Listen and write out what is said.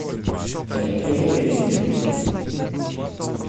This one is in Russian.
Хотя в то же время я мир.